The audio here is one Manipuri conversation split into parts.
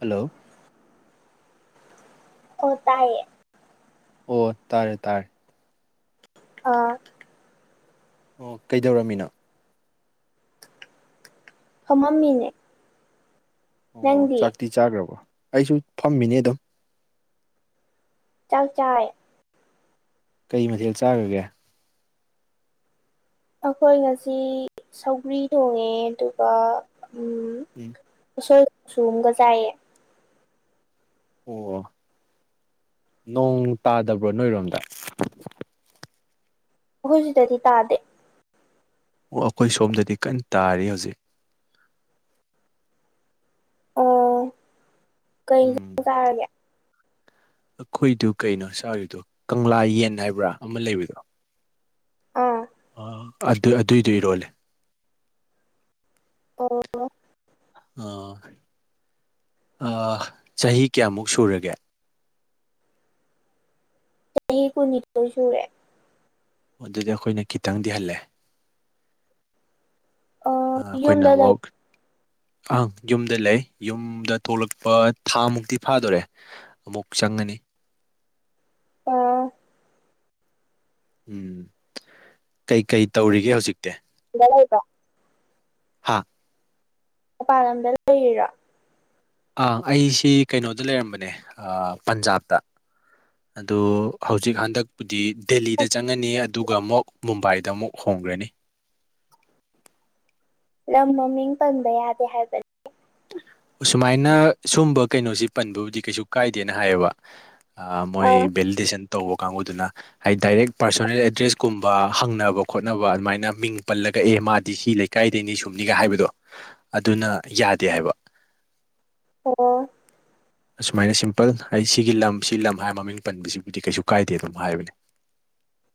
ꯍꯂꯣ ꯍꯇꯥ ꯍ ꯑꯣ ꯇꯥꯔꯦ ꯇꯥꯔꯦ ꯑꯥ ꯑꯣ ꯀꯩꯗꯧꯔꯝꯃꯤꯅꯣ ꯍꯝꯅꯦ ꯑꯣ ꯆꯥꯛꯇꯤ ꯆꯥꯈ꯭ꯔꯕꯣ ꯑꯩꯁꯨ ꯐꯝꯃꯤꯅꯦ ꯑꯗꯨꯝ ꯆꯥꯛ ꯆꯥꯏ ꯀꯩ ꯃꯊꯦꯜ ꯆꯥꯈꯒꯦ ꯑꯩꯈꯣꯏ ꯉꯁꯤ ꯁꯧꯒ꯭ꯔꯤ ꯊꯣꯡꯉꯦ ꯑꯗꯨꯒ ꯎꯝ ꯁꯒ ꯆꯥꯏꯌꯦ ꯑꯣ ꯅꯣꯡ ꯇꯥꯗꯕ꯭ꯔꯣ ꯅꯣꯏꯔꯣꯝꯗ ꯍꯧꯈꯣꯏꯖꯤꯗꯗꯤ ꯇꯥꯗꯦ ꯑꯣ ꯑꯩꯈꯣꯏ ꯁꯣꯝꯗꯗꯤ ꯀꯟꯅ ꯇꯥꯔꯤ ꯍꯧꯖꯤꯛ ꯑꯣ ꯀꯩ ꯎꯝ ꯀꯥꯔꯒꯦ ꯑꯩꯈꯣꯏꯗꯨ ꯀꯩꯅꯣ ꯆꯥꯔꯤꯗꯨꯣ ꯀꯪꯂꯥ ꯌꯦꯟ ꯍꯥꯏꯕ꯭ꯔꯥ ꯑꯃ ꯂꯩꯕꯗꯣ ꯑꯥ ꯑ ꯑꯗꯨ ꯑꯗꯨꯏꯗꯨꯏꯔꯣꯜꯂꯦ ꯑꯣ ꯑ ꯆꯍꯤ ꯀꯌꯥꯃꯨꯛ ꯁꯨꯔꯒꯦ ꯆꯍꯤ ꯀꯨꯃꯤꯇꯔꯁꯨꯨꯔꯦ ꯑꯗꯨꯗꯤ ꯑꯩꯈꯣꯏꯅ ꯈꯤꯇꯪꯗꯤꯍꯜꯂꯦ ꯑꯣ ꯑꯩꯈꯣꯏꯅ ꯌꯨꯝꯗ ꯂꯩ ꯑꯃꯨꯛ ꯑꯪ ꯌꯨꯝꯗ ꯂꯩ ꯌꯨꯝꯗ ꯊꯣꯛꯂꯛꯄ ꯊꯥ ꯃꯨꯛꯇꯤ ꯐꯥꯗꯣꯔꯦ ꯑꯃꯨꯛ ꯆꯪꯉꯅꯤ [unintelligible] ꯑꯥ ꯎꯝ ꯀꯩꯀꯩ ꯇꯧꯔꯤꯒꯦ ꯍꯧꯖꯤꯛꯇꯤ ꯍꯗ ꯍꯥ ꯃꯄꯥꯟ ꯂꯝꯗ ꯂꯩꯔꯤꯔꯣ ꯑ ꯑꯩꯁꯤ ꯀꯩꯅꯣꯗ ꯂꯩꯔꯝꯕꯅꯦ ꯄꯟꯖꯥꯕꯇ ꯑꯗꯣ ꯍꯧꯖꯤꯛ ꯍꯟꯗꯛꯄꯨꯗꯤ ꯗꯦꯜꯂꯤꯗ ꯆꯪꯉꯅꯤ ꯑꯗꯨꯒ ꯑꯃꯨꯛ ꯃꯨꯝꯕꯥꯏꯗ ꯑꯃꯨꯛ ꯍꯣꯡꯒ꯭ꯔꯅꯤ ꯂꯝ ꯃꯃꯤꯡ ꯄꯟꯕ ꯌꯥꯗꯦ ꯍꯥꯏꯕꯅꯤ ꯑꯁꯨꯃꯥꯏꯅ ꯁꯨꯝꯕ ꯀꯩꯅꯣꯁꯤ ꯄꯟꯕꯕꯨꯗꯤ ꯀꯩꯁꯨ ꯀꯥꯏꯗꯦꯅ ꯍꯥꯏꯌꯦꯕ ꯑ ꯃꯣꯏ ꯑꯥ ꯕꯦꯜꯗꯤꯁꯟ ꯇꯧꯕ ꯀꯥꯡꯕꯨꯗꯨꯅ ꯍꯥꯏꯗꯤ ꯗꯥꯏꯔꯦꯛ ꯄꯥꯔꯁꯣꯅꯦꯜ ꯑꯦꯗ꯭ꯔꯦꯁꯀꯨꯝꯕ ꯍꯪꯅꯕ ꯈꯣꯠꯅꯕ ꯑꯗꯨꯃꯥꯏꯅ ꯃꯤꯡ ꯄꯜꯂꯒ ꯑꯗꯨꯒ ꯑꯦ ꯃꯥꯗꯤ ꯁꯤ ꯂꯩꯀꯥꯏꯗꯅꯤ ꯁꯨꯝꯅꯤꯒ ꯍꯥꯏꯕꯗꯣ ꯑꯗꯨꯅ ꯌꯥꯗ ꯗꯦ ꯍꯥꯏꯕ ꯑꯣ ꯑꯁꯨꯃꯥꯏꯅ ꯁꯤꯝꯄꯜ ꯑꯩ ꯁꯤꯒꯤ ꯂꯝ ꯁꯤ ꯂꯝ ꯍꯥꯏꯔ ꯃꯃꯤꯡ ꯄꯟꯕꯁꯤꯕꯨꯗꯤ ꯀꯩꯁꯨ ꯀꯥꯏꯗꯦ ꯑꯗꯨꯝ ꯍꯥꯏꯕꯅꯦ [unintelligible]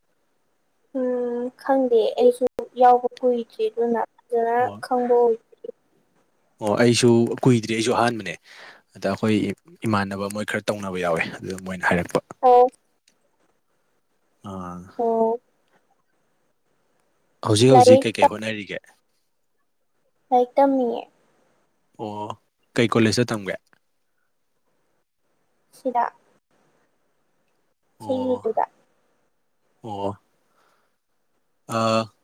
ꯎꯝ ꯈꯪꯗꯦ ꯑꯩꯁꯨ ꯌꯥꯎꯕ ꯀꯨꯏꯗ꯭ꯔꯤ ꯑꯗꯨꯅ ꯑꯗꯨꯔ ꯑꯣ ꯈꯪꯕ ꯑꯣꯏ ꯑꯣ ꯑꯩꯁꯨ ꯀꯨꯏꯗ꯭ꯔꯤ ꯑꯩꯁꯨ ꯑꯍꯥꯟꯕꯅꯦ ꯑꯗ ꯑꯩꯈꯣꯏ ꯏꯃꯥꯟꯅꯕ ꯃꯣꯏ ꯈꯔ ꯇꯧꯅꯕ ꯌꯥꯎꯋꯦ ꯑꯗꯨ ꯃꯣꯏꯅ ꯍꯥꯏꯔꯛꯄꯦ ꯑꯣ ꯑꯣ ꯑꯣ ꯍꯧꯖꯤꯛ ꯍꯧꯖꯤꯛ ꯂꯥꯏꯔꯤꯛ ꯀꯩꯀꯩ ꯍꯣꯠꯅꯔꯤꯒꯦ ꯛꯇ ꯃꯤꯌꯦꯛ ꯑꯣ ꯀꯩ ꯀꯣꯂꯦꯖꯇ ꯇꯝꯒꯦ ꯁꯤꯗꯥꯥ ꯑꯣ ꯆꯗꯨꯗ ꯑꯣ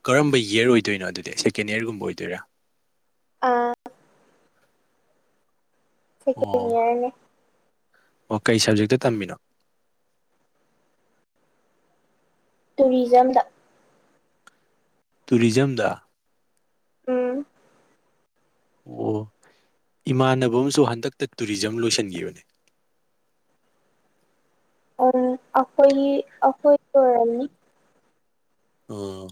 ꯀꯔꯝꯕ ꯏꯌꯔ ꯑꯣꯏꯗꯣꯏꯅꯣ ꯑꯗꯨꯗꯤ ꯁꯦꯀꯦꯟ ꯏꯌꯔꯒꯨꯝꯕ ꯑꯣꯏꯗꯣꯏꯔꯥ ꯊ ꯑꯣ ꯀꯅꯤꯔꯅꯦ ꯑꯣ ꯀꯩ ꯁꯕꯖꯦꯛꯇ ꯇꯝꯃꯤꯅꯣ ꯇꯨꯔꯤꯖꯝꯗ ꯇꯨꯔꯤꯖꯝꯗ ꯎꯝ ꯑꯣ ꯏꯃꯥꯟꯅꯕ ꯑꯃꯁꯨ ꯍꯟꯗꯛꯇ ꯇꯨꯔꯤꯖꯝ ꯂꯣꯏꯁꯤꯟꯈꯤꯕꯅꯦ [unintelligible] ꯑꯣ ꯑꯈꯣꯏ ꯑꯈꯣꯏ ꯇꯔꯅꯤ ꯑꯣ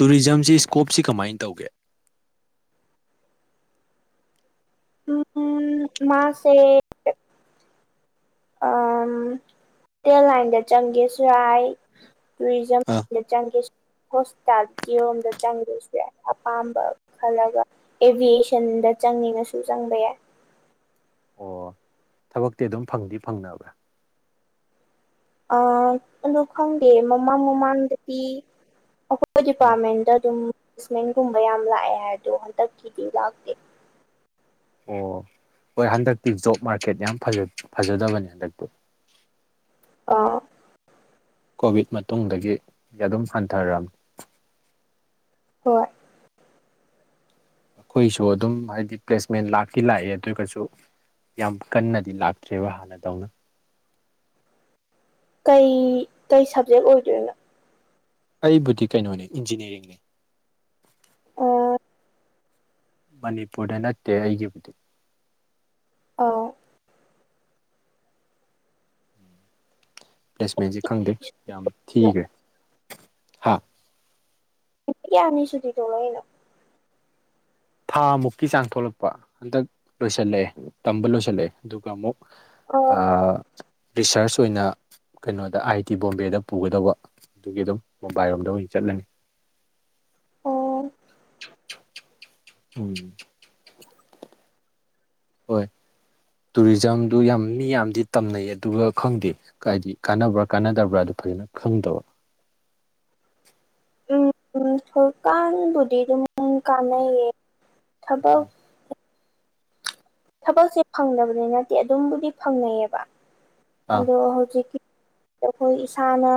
ꯇꯨꯔꯤꯖꯝꯁꯤ ꯏꯁꯀꯣꯞꯁꯤ ꯀꯃꯥꯏꯅ ꯇꯧꯒꯦ ꯎꯝ ꯃꯥꯁꯦ ꯑ ꯍꯣꯇꯦꯜ ꯂꯥꯏꯟꯗ ꯆꯪꯒꯦꯁꯨꯔꯥꯏ ꯇꯔꯤꯖꯝ ꯑꯥ ꯆꯪꯒꯦ ꯍꯣꯁꯄꯤꯇꯥꯜꯒꯤꯤꯔꯣꯝꯗ ꯆꯪꯗꯣꯏꯁꯦ ꯑꯄꯥꯝꯕ ꯈꯜꯂꯒ ꯑꯦꯚꯌꯦꯁꯟꯗ ꯗ ꯆꯪꯉꯅꯁꯨ ꯆꯪꯕ ꯌꯥꯏ ꯑꯣ ꯊꯕꯛꯇꯤ ꯑꯗꯨꯝ ꯐꯪꯗꯤ ꯐꯪꯅꯕ꯭ꯔꯥ ꯑ ꯈꯪꯗꯦ ꯃꯣꯃꯥ ꯃꯣꯃꯥꯟ ꯗꯄꯤ ꯎꯝ ꯗꯤꯄꯥꯔꯠꯃꯦꯟꯗ ꯑꯗꯨꯝ ꯦꯁꯃꯦꯟꯒꯨꯝꯕ ꯌꯥꯝ ꯂꯥꯛꯑꯦ ꯍꯥꯏꯗꯨꯣ ꯍꯟꯗꯛꯀꯤꯗꯤ ꯂꯥꯛꯇꯦ ꯑꯣ ꯍꯣꯏ ꯍꯟꯗꯛꯇꯤ ꯖꯣꯕ ꯃꯥꯔꯀꯦꯠ ꯌꯥꯝ ꯐꯖꯗꯕꯅꯦ ꯍꯟꯗꯛꯇꯤ [unintelligible] ꯑꯥ ꯀꯣꯚꯤꯠ ꯃꯇꯨꯡꯗꯒꯤ ꯑꯗꯨꯝ ꯍꯟꯊꯔꯝꯃꯤ ꯍꯣꯏ ꯑꯩꯈꯣꯏꯁꯨ ꯑꯗꯨꯝ ꯍꯥꯏꯗꯤ ꯄ꯭ꯂꯦꯁꯃꯦꯟ ꯂꯥꯛꯇꯤ ꯂꯥꯛꯑꯦ ꯑꯗꯨꯒꯁꯨ ꯌꯥꯝ ꯀꯟꯅꯗꯤ ꯂꯥꯛꯇ꯭ꯔꯦꯕ ꯍꯥꯟꯅꯗꯧꯅ ꯀꯩ ꯀꯩ ꯁꯕꯖꯦꯛ ꯑꯣꯏꯒꯦꯕꯥ ꯑꯩꯕꯨꯗꯤ ꯀꯩꯅꯣꯅꯤ ꯏꯟꯖꯤꯅꯤꯌꯥꯔꯤꯡꯅꯤ ꯑꯣ ꯃꯅꯤꯄꯨꯔꯗ ꯅꯠꯇꯦ ꯑꯩꯒꯤꯕꯨꯗꯤ ꯑ ꯄ꯭ꯂꯦꯁꯃꯦꯟꯁꯦ ꯈꯪꯗꯦ ꯌꯥꯝ ꯅꯨꯃꯤꯠ ꯊꯤꯈ꯭ꯔꯦ ꯍꯥ ꯗꯒꯤ ꯑꯃꯅꯤꯁꯨꯨꯇꯤ ꯇꯂꯣꯏꯅ ꯊꯥ ꯃꯨꯛꯀꯤ ꯆꯥꯡ ꯊꯣꯛꯂꯛꯄ ꯍꯟꯗꯛ ꯂꯣꯏꯁꯤꯜꯂꯛꯑꯦ ꯇꯝꯕ ꯂꯣꯏꯁꯤꯜꯂꯛꯑꯦ ꯑꯗꯨꯒ ꯑꯃꯨꯛ ꯑꯥ ꯔꯤꯁꯔꯁ ꯑꯣꯏꯅ ꯀꯩꯅꯣꯗ ꯑꯥꯏ ꯇꯤ ꯕꯣꯝꯕꯦꯗ ꯄꯨꯒꯗꯕ ꯑꯗꯨꯒꯤ ꯑꯗꯨꯝ ꯃꯨꯝꯕꯥꯏꯔꯣꯝꯗ ꯑꯣꯏꯅ ꯆꯠꯂꯅꯤ ꯑꯣ ꯎꯝ ꯍꯣꯏ ꯇꯨꯔꯤꯖꯝꯗꯨ ꯌꯥꯝ ꯃꯤ ꯌꯥꯝꯗꯤ ꯇꯝꯅꯩ ꯑꯗꯨꯒ ꯈꯪꯗꯦ ꯀꯗꯤ ꯀꯥꯟꯅꯕ꯭ꯔꯥ ꯀꯥꯟꯅꯗꯕ꯭ꯔꯥ ꯐꯖꯅ ꯈꯪꯗꯕ ꯎꯝ ꯁꯀꯥꯟꯕꯨꯗꯤꯗꯨ ꯀꯅꯩꯌꯦ ꯊꯕꯛ ꯊꯕꯛꯁꯦ ꯐꯪꯗꯕꯗꯤ ꯅꯠꯇꯦ ꯑꯗꯨꯝꯕꯨꯗꯤ ꯐꯪꯅꯩꯌꯦꯕ ꯑꯥ ꯑꯗꯣ ꯍꯧꯖꯤꯛꯀꯤ ꯑꯩꯈꯣꯏ ꯏꯁꯥꯅ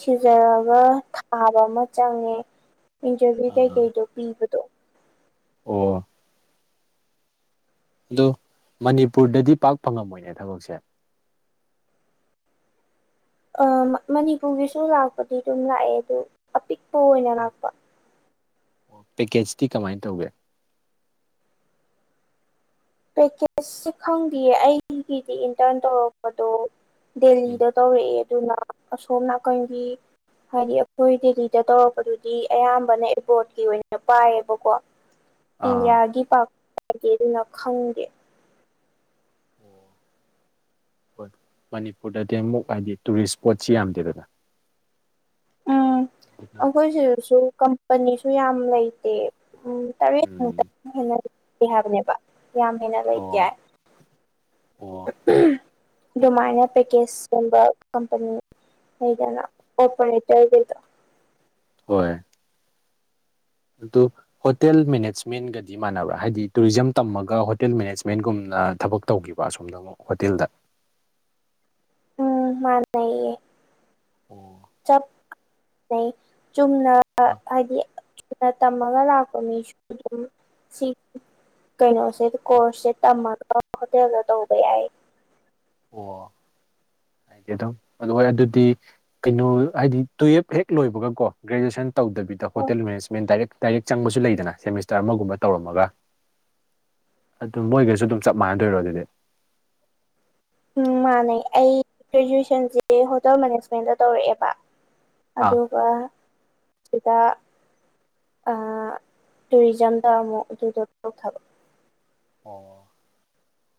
ꯊꯤꯖꯔꯒ ꯊꯥꯕ ꯑꯃ ꯆꯪꯉꯦ ꯏꯟꯇꯔꯚꯤꯌꯨ ꯀꯩꯀꯩꯗꯣ ꯄꯤꯕꯗꯣ ꯑꯣ ꯑꯣ ꯃꯅꯤꯄꯨꯔꯗꯗꯤ ꯄꯥꯛ ꯐꯪꯉꯝꯃꯣꯏꯅꯦ ꯊꯕꯛꯁꯦ ꯃꯅꯤꯄꯨꯔꯒꯤꯁꯨ ꯂꯥꯛꯄꯗꯤ ꯑꯗꯨꯝ ꯂꯥꯛꯑꯦ ꯑꯗꯨ ꯑꯄꯤꯛꯄ ꯑꯣꯏꯅ ꯂꯥꯛꯄ ꯑꯣ ꯄꯦꯀꯦꯖꯇꯤ ꯀꯃꯥꯏꯅ ꯇꯧꯒꯦ ꯄꯦꯀꯦꯁꯁꯦ ꯈꯪꯗꯌꯦ ꯑꯩꯒꯤꯗꯤ ꯏꯟꯇꯔꯟ ꯇꯧꯔꯛꯄꯗꯣ ꯗꯦꯜꯂꯤꯗ ꯇꯧꯔꯛꯑꯦ ꯑꯗꯨꯅ ꯑꯁꯣꯝ ꯅꯥꯀꯟꯒꯤ ꯍꯥꯏꯗꯤ ꯑꯩꯈꯣꯏ ꯗꯦꯜꯂꯤꯗ ꯇꯧꯔꯛꯄꯗꯨꯗꯤ ꯑꯌꯥꯝꯕꯅ ꯑꯦꯄꯣꯔꯠꯀꯤ ꯑꯣꯏꯅ ꯄꯥꯏꯌꯦꯕꯀꯣ ꯑꯥ ꯏꯟꯗꯤꯌꯥꯒꯤ ꯄꯥꯛꯒꯦ ꯑꯗꯨꯅ ꯈꯪꯗꯦ ꯑꯣ ꯍꯣꯏ ꯃꯅꯤꯄꯨꯔꯗꯗꯤ ꯑꯃꯨꯛ ꯍꯥꯏꯗꯤ ꯇꯨꯔꯤꯁ ꯏꯁꯄꯣꯠꯁꯤ ꯌꯥꯝꯗꯦꯗꯅ ꯎꯝ ꯑꯩꯈꯣꯏ ꯁꯤꯗꯁꯨ ꯀꯝꯄꯅꯤꯁꯨ ꯌꯥꯝ ꯂꯩꯇꯦ ꯎꯝ ꯎꯝ ꯇꯔꯦꯠꯃꯨꯛꯇ ꯍꯦꯟꯅ ꯂꯩꯇꯦ ꯍꯥꯏꯕꯅꯦꯕ ꯌꯥꯝ ꯍꯦꯟꯅ ꯑꯣ ꯂꯩꯇꯦ ꯍꯥꯏ ꯑꯣ ꯑꯗꯨꯃꯥꯏꯅ ꯄꯦꯀꯦꯖꯀꯨꯝꯕ ꯀꯝꯄꯅꯤ ꯍꯩꯒꯅ ꯑꯣꯄꯟꯇ ꯑꯣꯏꯒꯗꯣ ꯍꯣꯏ ꯑꯗꯨ ꯍꯣꯇꯦꯜ ꯃꯦꯅꯦꯖꯃꯦꯟꯒꯗꯤ ꯃꯥꯟꯅꯕ꯭ꯔꯥ ꯍꯥꯏꯗꯤ ꯇꯨꯔꯤꯖꯝ ꯇꯝꯃꯒ ꯍꯣꯇꯦꯜ ꯃꯦꯅꯦꯖꯃꯦꯟꯒꯨꯝ ꯅ ꯊꯕꯛ ꯇꯧꯈꯤꯕ ꯑꯁꯣꯝꯅ ꯑꯃꯨꯛ ꯍꯣꯇꯦꯜꯗ ꯎꯝ ꯃꯥꯅꯌꯦ ꯑꯣ ꯆ ꯆꯨꯝꯅ ꯍꯥꯏꯗꯤ ꯆꯨꯝꯅ ꯇꯝꯃꯒ ꯂꯥꯛꯄ ꯃꯤꯁꯨ ꯑꯗꯨꯝ ꯁꯤ ꯀꯩꯅꯣꯁꯦ ꯀꯣꯔꯁꯁꯦ ꯇꯝꯃꯒ ꯍꯣꯇꯦꯜꯗ ꯇꯧꯕ ꯌꯥꯏ ꯑꯣ ꯑꯗꯨ ꯑꯗꯨꯗꯤ ꯀꯩꯅꯣ ꯍꯥꯏꯗꯤ ꯇꯨꯋꯜꯞ ꯍꯦꯛ ꯂꯣꯏꯕꯒꯀꯣ ꯒ꯭ꯔꯦꯖꯨꯑꯦꯁꯟ ꯇꯧꯗꯕꯤꯗ ꯑꯣ ꯍꯣꯇꯦꯜ ꯃꯦꯅꯦꯖꯃꯦꯟ ꯗꯥꯏꯔꯦꯛ ꯗꯥꯏꯔꯦꯛ ꯆꯪꯕꯁꯨ ꯂꯩꯗꯅ ꯁꯦꯃꯤꯁꯇꯔ ꯑꯃꯒꯨꯝꯕ ꯇꯧꯔꯝꯃꯒ ꯑꯗꯨ ꯃꯣꯏꯒꯩꯁꯨ ꯑꯗꯨꯝ ꯆꯞ ꯃꯥꯟꯅꯗꯣꯏꯔꯣ ꯑꯗꯨꯗꯤ ꯎꯝ ꯃꯥꯥꯟꯅꯦ ꯑꯩ ꯒ꯭ꯔꯦꯖꯨꯑꯦꯁꯟꯁꯦ ꯍꯣꯇꯦꯜ ꯃꯦꯅꯦꯖꯃꯦꯟꯗ ꯇꯧꯔꯛꯑꯦꯕ ꯑꯥ ꯑꯗꯨꯒ ꯁꯤꯗ ꯑꯥ ꯇꯨꯔꯤꯖꯝꯗ ꯑꯃꯨꯛ ꯑꯗꯨꯗ ꯇꯧꯊꯕ ꯑꯣ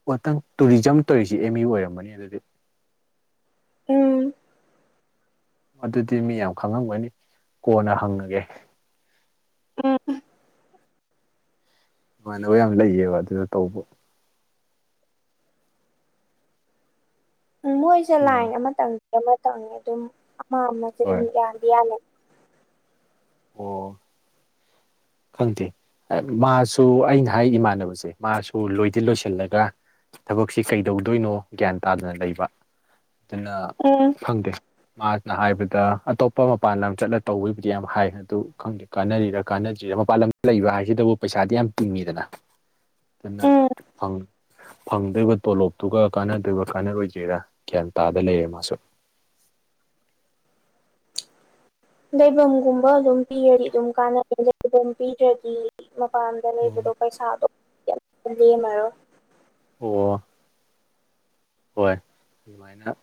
ꯃꯊꯪ ꯇꯨꯔꯤꯖꯝ ꯇꯧꯔꯤꯁꯤ ꯑꯦꯝ ꯌꯨ ꯑꯣꯏꯔꯝꯕꯅꯤ ꯑꯗꯨꯗꯤ ꯎꯝ ꯑꯗꯨꯗꯤ ꯃꯤ ꯌꯥꯝ ꯈꯪꯉꯝꯒꯅꯤ ꯀꯣꯟꯅ ꯍꯪꯉꯒꯦ ꯎꯝ ꯏꯃꯟꯅꯕ ꯌꯥꯝ ꯂꯩꯌꯦꯕ ꯑꯗꯨꯗ ꯇꯧꯕ ꯎꯝ ꯃꯣꯏꯁꯨ ꯎꯝ ꯂꯥꯏꯟ ꯑꯃꯇꯪꯗꯤ ꯑꯃꯇꯪꯉꯦ ꯑꯗꯨꯝ ꯑꯃ ꯑꯃꯁꯦ ꯑꯗꯨꯝ ꯍꯣꯏ ꯌꯥꯗꯤ ꯌꯥꯜꯂ ꯑꯣ ꯈꯪꯗꯦ ꯃꯥꯁꯨ ꯑꯩꯅ ꯍꯥꯏ ꯏꯃꯥꯟꯅꯕꯁꯦ ꯃꯥꯁꯨ ꯂꯣꯏꯗꯤ ꯂꯣꯏꯁꯤꯜꯂꯒ ꯊꯕꯛꯁꯤ ꯀꯩꯗꯧꯗꯣꯏꯅꯣ ꯒ꯭ꯌꯥꯟ ꯇꯥꯗꯅ ꯂꯩꯕ ꯑꯗꯨꯅ ꯎꯝ ꯈꯪꯗꯦ ꯃꯥꯅ ꯍꯥꯏꯕꯗ ꯑꯇꯣꯞꯄ ꯃꯄꯥꯟ ꯂꯝ ꯆꯠꯂ ꯇꯧꯕꯒꯤꯕꯨꯗꯤ ꯌꯥꯝ ꯍꯥꯏ ꯑꯗꯨ ꯈꯪꯗꯦ ꯀꯥꯟꯅꯔꯤꯔ ꯀꯥꯟꯅ ꯖ‌ꯦꯃꯄꯥꯟ ꯂꯝ ꯂꯩꯕ ꯍꯥꯏꯁꯤꯗꯕꯨ ꯄꯩꯁꯥꯗꯤ ꯌꯥꯝ ꯇꯤꯡꯉꯤꯗꯅ ꯗꯨꯅ ꯎꯝ ꯐꯪ ꯐꯪꯗꫭꯏꯕ ꯇꯣꯂꯣꯞꯇꯨꯒ ꯀꯥꯟꯅꯗꫭꯏꯕ ꯀꯥꯟꯅꯔꯣꯏꯔꯥ ꯒ꯭ꯌꯥꯟ ꯇꯥꯗ ꯂꯩꯔꯦ ꯃꯥꯁꯨ [unintelligible] ꯂꯩꯕꯝꯒꯨꯝꯕ ꯑꯗꯨꯝ ꯄꯤꯔꯗꯤ ꯑꯗꯨꯝ ꯀꯥꯟꯅꯩ ꯂꯩꯐꯝ ꯄꯤꯗ꯭ꯔꯗꯤ ꯃꯄꯥꯟꯗ ꯎꯝ ꯂꯩꯕꯗꯣ ꯄꯩꯁꯥꯗꯣ ꯀꯩꯝꯇ ꯂ‌ꯦꯝꯃꯔꯣ ꯑꯣ ꯍꯣꯏ ꯑꯗꯨꯃꯥꯏꯅ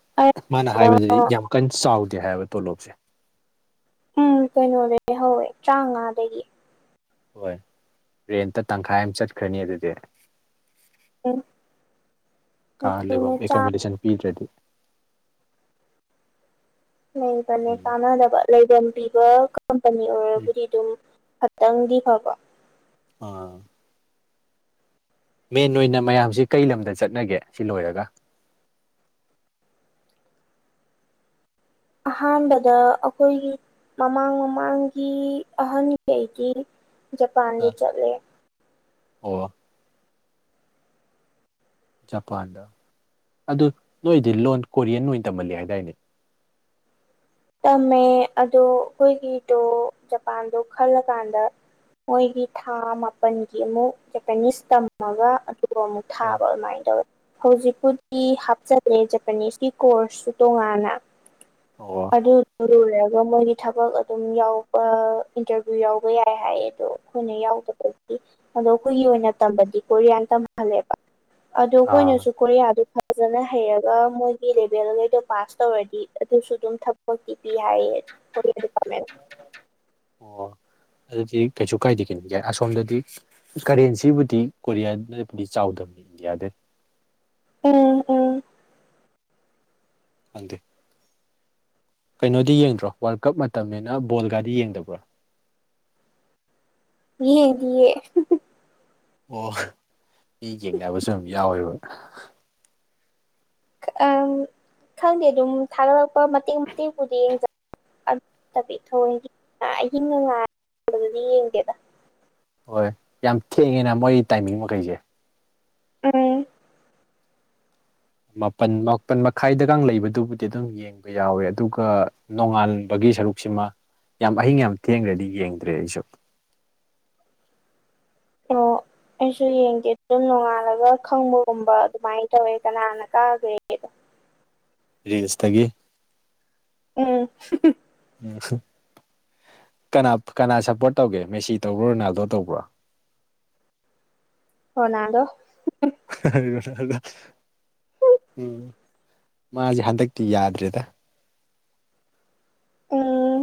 ꯃꯥꯅ ꯍꯥꯏꯕꯗꯗꯤ ꯌꯥꯝ ꯀꯟꯅ ꯆꯥꯎꯗꯦ ꯍꯥꯏꯕ ꯇꯣꯂꯣꯞꯁꯦ ꯎꯝ ꯀꯩꯅꯣꯗꯒꯤ ꯍꯧꯋꯦ ꯇꯔꯥꯡꯉꯥꯗꯒꯤ ꯍꯣꯏ ꯔꯦꯟꯇ ꯇꯪꯈꯥꯏ ꯑꯃ ꯆꯠꯈ꯭ꯔꯅꯤ ꯑꯗꯨꯗꯤ ꯎꯝ ꯀꯥ ꯑꯗꯨꯅ ꯂꯩꯕꯝꯕꯧ ꯍ‌ꯦꯛ ꯆꯥ ꯀꯣꯃꯣꯗꯦꯁꯟ ꯄꯤꯗ꯭ꯔꯗꯤ ꯂꯩꯕꯅꯦ ꯎꯝ ꯀꯥꯟꯅꯗꯕ ꯂꯩꯐꯝ ꯄꯤꯕ ꯀꯝꯄꯅꯤ ꯎꯝ ꯑꯣꯏꯔꯕꯨꯗꯤ ꯑꯗꯨꯝ ꯈꯇꯪꯗꯤ ꯐꯕ ꯑ ꯃꯦꯟ ꯑꯣꯏꯅ ꯃꯌꯥꯝꯁꯤ ꯀꯩ ꯂꯝꯗ ꯆꯠꯅꯒꯦ ꯁꯤ ꯂꯣꯏꯔꯒ ꯑꯍꯥꯟꯕꯗ ꯑꯩꯈꯣꯏꯒꯤ ꯃꯃꯥꯡ ꯃꯃꯥꯡꯒꯤ ꯑꯍꯟꯉꯩꯗꯤ ꯖꯄꯥꯟꯗ ꯆꯠꯂꯦ ꯑꯣ ꯖꯄꯥꯟꯗ ꯑꯗꯨ ꯅꯣꯏꯗꯤ ꯂꯣꯟ ꯀꯣꯔꯤꯌꯟ ꯑꯣꯏꯅ ꯇꯝꯍꯜꯂꯤ ꯍꯥꯏꯗꯥꯏꯅꯦ [unintelligible] ꯇꯝꯃꯦ ꯑꯗꯣ ꯑꯩꯈꯣꯏꯒꯤꯗꯣ ꯖꯄꯥꯟꯗꯣ ꯈꯜꯂꯀꯥꯟꯗ ꯃꯣꯏꯒꯤ ꯊꯥ ꯃꯥꯄꯜꯒꯤ ꯑꯃꯨꯛ ꯖꯄꯅꯤꯁ ꯇꯝꯃꯒ ꯑꯗꯨꯒ ꯑꯃꯨꯛ ꯑꯥ ꯊꯥꯕ ꯑꯗꯨꯃꯥꯏꯅ ꯇꯧꯔꯦ ꯍꯧꯖꯤꯛ ꯈꯨꯗꯤ ꯍꯥꯞꯆꯤꯜꯂꯦ ꯖꯄꯅꯤꯁꯀꯤ ꯀꯣꯔꯁꯁꯨ ꯇꯣꯉꯥꯟꯅ ꯑꯣ ꯑꯗꯨꯗꫭ ꯂꯣꯏꯔꯒ ꯃꯣꯏꯒꯤ ꯊꯕꯛ ꯑꯗꯨꯝ ꯌꯥꯎꯕ ꯏꯟꯇꯔꯚꯤꯌꯨ ꯌꯥꯎꯕ ꯌꯥꯏ ꯍꯥꯏꯌꯦ ꯑꯗꯣ ꯑꯩꯈꯣꯏꯅ ꯌꯥꯎ ꯗꯕꯒꯤ ꯑꯗꯣ ꯑꯩꯈꯣꯏꯒꯤ ꯑꯣꯏꯅ ꯇꯝꯕꯗꯤ ꯀꯣꯔꯤꯌꯥꯟ ꯇꯝꯍꯜꯂꯦꯕ ꯑꯗꯨ ꯑꯥ ꯑꯩꯈꯣꯏꯅꯁꯨ ꯀꯣꫪꯤꯌꯤꯗꯨ ꯐꯖꯅ ꯍꯩꯔꯒ ꯃꯣꯏꯒꯤ ꯂꯦꯚꯦꯜꯒꯩꯗꯣ ꯄꯥꯁ ꯇꯧꯔꯗꯤ ꯑꯗꯨꯁꯨ ꯑꯗꯨꯝ ꯊꯕꯛꯇꯤ ꯄꯤ ꯍꯥꯏꯌ‌ꯦ ꯑꯣ ꯑꯗꯨꯗꯤ ꯀꯩꯁꯨ ꯀꯥꯏꯗꯦ ꯀꯅꫭ ꯌꯥꯏ ꯑꯁꯣꯝꯗꯗꯤ ꯀꯔꯦꯟꯁꯤꯕꯨꯗꯤ ꯀꯣꯔꯤꯌꯥꯗꯕꯨꯗꯤ ꯆꯥꯎ ꯑꯧꯗꯝꯅꯤ ꯏꯟꯗꯤꯌꯥꯗ ꯎꯝ ꯎꯝ ꯈꯪꯗ‌ꯦ ꯀꯩꯅꯣꯗꯤ ꯌꯦꯡꯗ꯭ꯔꯣ ꯋꯥꯔꯜ ꯀꯞ ꯃꯇꯝꯅꯤꯅ ꯕꯣꯜꯒꯗꯤ ꯌꯦꯡꯗꯕ꯭ꯔꯣ ꯌꯦꯅꯤꯌꯦ ꯑꯣ ꯃꯤ ꯌꯦꯡꯅꯕꯁꯨ ꯑꯗꯨ ꯌꯥꯎꯋꯦꯕ ꯑ ꯈꯪꯗꯦ ꯑꯗꯨꯝ ꯊꯥꯒꯠꯂꯛꯄ ꯃꯇꯦꯛ ꯃꯇꯦꯛꯄꯗꯤ ꯌꯦꯡꯖ ꯕꯤ ꯊ ꯑꯍꯤꯡ ꯉꯥꯗꯤ ꯌꯦꯡꯗꯦꯗ ꯍꯣꯏ ꯌꯥꯝ ꯊꯦꯡꯉꯦꯅ ꯃꯣꯏ ꯇꯥꯏꯃꯤꯡ ꯃꯈꯩꯁꯦ ꯎꯝ ꯃꯥꯄꯜ ꯃꯥꯄꯟ ꯃꯈꯥꯏꯗꯒ ꯂꯩꯕꯗꯨꯕꯨꯗꯤ ꯑꯗꯨꯝ ꯌꯦꯡꯕ ꯌꯥꯎꯋꯦ ꯑꯗꯨꯒ ꯅꯣꯡꯉꯥꯟꯕꯒꯤ ꯒꯤ ꯁꯔꯨꯛꯁꯤꯃ ꯌꯥꯝ ꯑꯍꯤꯡ ꯌꯥꯝ ꯊꯦꯡꯈ꯭ꯔꯗꯤ ꯌꯦꯡꯗ꯭ꯔꯦ ꯑꯩꯁꯨ ꯑꯣ ꯑꯩꯁꯨ ꯌꯦꯡꯒꯦ ꯑꯗꯨꯝ ꯅꯣꯡꯉꯥꯜꯂꯒ ꯈꯪꯕꯒꯨꯝꯕ ꯑꯗꯨꯃꯥꯏꯅ ꯇꯧꯋꯦ ꯀꯅꯥꯅ ꯀꯥꯈ꯭ꯔꯦꯗꯣ ꯐꯔꯤꯁꯇꯒꯤ ꯎꯝ ꯎ ꯀꯅꯥ ꯀꯅꯥ ꯁꯞꯄꯣꯔꯠ ꯇꯧꯒꯦ ꯃꯦꯁꯤ ꯇꯧꯕ꯭ꯔꯣ ꯔꯣꯅꯥꯜꯗꯣ ꯇꯧꯕ꯭ꯔꯣ [inaudible] ꯍꯅꯗꯣ ꯍꯥꯏ ꯎꯝ ꯃꯥꯁꯦ ꯍꯟꯗꯛꯇꯤ ꯌꯥꯗ꯭ꯔꯦꯗ ꯎꯝ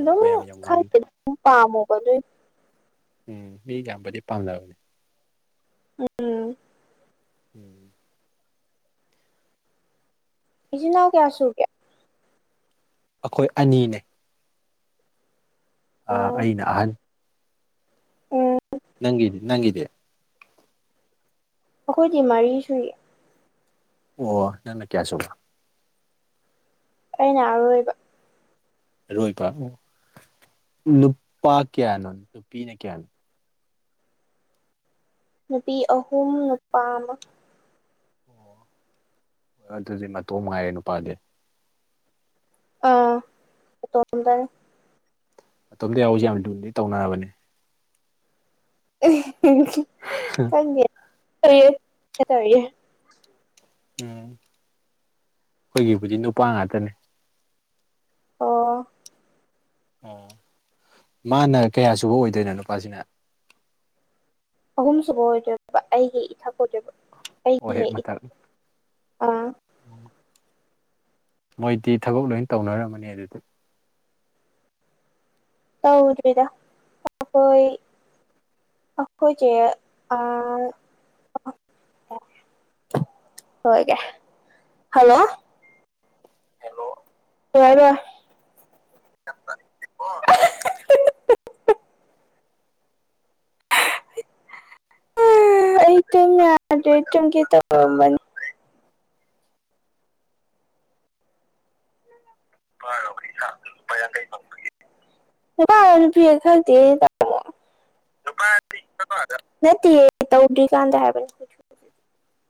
ꯌꯥꯝ ꯃꯌꯥꯝ ꯌꯥꯝ ꯉꯥꯡꯗꯦ ꯈꯪꯝ ꯄꯥꯝꯃꯣ ꯀ ꯎꯝ ꯃꯤ ꯌꯥꯝꯕꯨꯗꯤ ꯄꯥꯝꯅꯕꯅꯦ [unintelligible] ꯎꯝ ꯏꯁꯤ ꯅꯅꯥꯎ ꯀꯌꯥꯁꯨꯨꯒꯌꯥ ꯑꯩꯈꯣꯏ ꯑꯅꯤꯅꯦ ꯑ ꯎꯝ ꯑꯩꯅ ꯑꯍꯜ ꯎꯝ ꯅꯪꯗꯤꯦ ꯅꯪꯗꯦ ꯑꯩꯈꯣꯏꯗꯤ ꯃꯔꯤ ꯁꯨꯏ ꯑꯣ ꯅꯅ ꯀꯌꯥꯁꯨꯕ ꯑꯩꯅ ꯑꯔꯣꯏꯕ ꯑꯔꯣꯏꯕ ꯑꯣ ꯅꯨꯄꯥ ꯀꯌꯥꯅꯣ ꯅꯨꯄꯤꯅ ꯀꯌꯥꯅꯣ ꯅꯨꯄꯤ ꯑꯍꯨꯝ ꯅꯨꯄꯥ ꯑꯃ ꯑꯣ ꯍ ꯑꯗꯨꯗꯤ ꯃꯇꯣ ꯉꯥꯏꯔꯦ ꯅꯨꯄꯥꯗꯤ ꯑꯥ ꯇꯣ ꯃꯇꯝꯗ ꯌꯥꯁꯦ ꯌꯥꯝ ꯂꯨꯗꯤ ꯇꯧꯅꯔꯕꯅꯦ ꯪ ꯇ ꯇꯦ ꯎꯝ ꯑꯩꯈꯣꯏꯒꯤꯕꯨꯗꯤ ꯅꯨꯄꯥ ꯉꯥꯛꯇꯅꯦ ꯑꯣ ꯑꯣ ꯃꯥꯅ ꯀꯌꯥ ꯁꯨꯕ ꯑꯣꯏꯗꯣꯏꯅꯣ ꯅꯨꯄꯥꯁꯤꯅ ꯑꯍꯨꯝ ꯁꯨꯕ ꯑꯣꯏꯖꯕ ꯑꯩꯒꯤ ꯏꯊꯛ ꯑꯣꯏꯖꯕ ꯑꯣ ꯑꯩ ꯍꯦꯛ ꯃꯊꯛ ꯍ ꯑ ꯃꯣꯏꯗꯤ ꯊꯕꯛ ꯂꯣꯏ ꯇꯧꯅꯔꯝꯃꯅꯤ ꯑꯗꯨꯗꯤ ꯇꯧꯗ꯭ꯔꯤꯗ ꯑꯩꯈꯣꯏ ꯑꯈꯣꯏꯒꯤꯦ ꯑ ꯍꯣꯏꯒꯦ ꯍꯜꯂꯣ ꯌꯥꯔ [unintelligible] ꯑꯩꯇꯔꯇ ꯀꯦ ꯇꯅꯤ ꯔ ꯆꯄ ꯀꯩ ꯐꯪ ꯋꯥꯔ ꯄꯑ ꯈꯔ ꯇꯣ ꯅ ꯎ ꯀꯥꯟꯗ